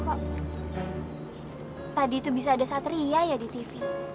kok tadi itu bisa ada satria ya di tv